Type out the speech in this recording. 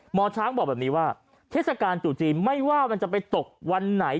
หมอช้างบอกแบบนี้ว่าเทศกาลตรุษจีนไม่ว่ามันจะไปตกวันไหน